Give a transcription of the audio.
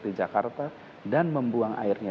di jakarta dan membuang airnya